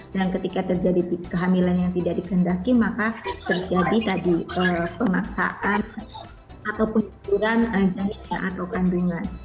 dan ketika terjadi kehamilan yang tidak dikendaki maka terjadi pemaksaan atau penyelidikan atau kandungan